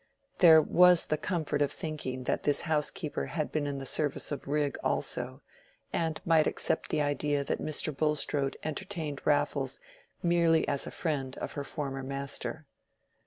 There was the comfort of thinking that this housekeeper had been in the service of Rigg also, and might accept the idea that Mr. Bulstrode entertained Raffles merely as a friend of her former master.